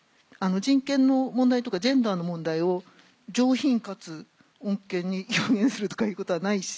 人権の問題とかジェンダーの問題を上品かつ穏健に表現するとかいうことはないし